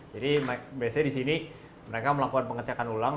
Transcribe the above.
jadi biasanya di sini mereka melakukan pengecekan ulang